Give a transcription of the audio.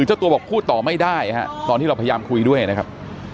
เจ้าตัวบอกพูดต่อไม่ได้ฮะตอนที่เราพยายามคุยด้วยนะครับ